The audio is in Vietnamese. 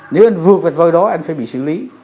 nếu anh vượt vệt vôi đó anh phải bị xử lý